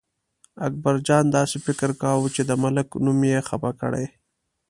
اکبرجان داسې فکر کاوه چې د ملک نوم یې خپه کړی.